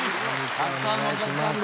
たくさんのお客さんで。